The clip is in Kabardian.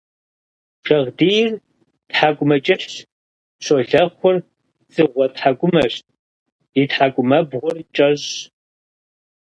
Шагъдийр тхьэкӀумэ кӀыхьщ, щолэхъур дзыгъуэ тхьэкӀумэщ – и тхьэкӀумэбгъур кӀэщӀщ.